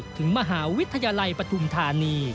ถึงมหาวิทยาลัยปฐุมธานี